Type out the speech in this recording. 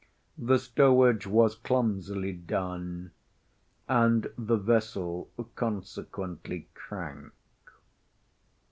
The stowage was clumsily done, and the vessel consequently crank.